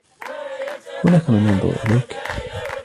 هناك من ينظر إليك.